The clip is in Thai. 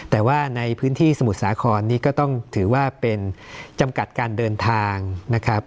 แต่ว่าในพื้นที่สมุทรสาครนี้ก็ต้องถือว่าเป็นจำกัดการเดินทางนะครับ